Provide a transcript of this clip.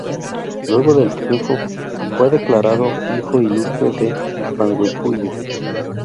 Luego del triunfo fue declarado hijo Ilustre de Panguipulli.